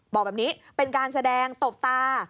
บอกแบบนี้เป็นการแสดงตบตา